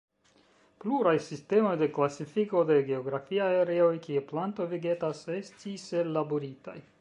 Pluraj sistemoj de klasifiko de geografiaj areoj kie plantoj vegetas, estis ellaboritaj.